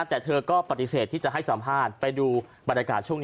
แต่เธอก็ปฏิเสธที่จะให้สัมภาษณ์ไปดูบรรยากาศช่วงนี้